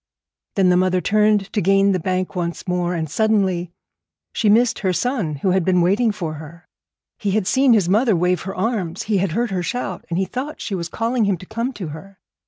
Then the mother turned to gain the bank once more, and suddenly she missed her son who had been waiting for her. He had seen his mother wave her arms; he had heard her shout, and he thought she was calling him to come to her.